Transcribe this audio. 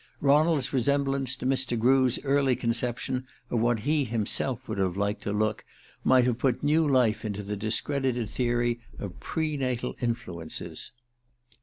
Ronald's resemblance to Mr. Grew's early conception of what he himself would have liked to look might have put new life into the discredited theory of pre natal influences.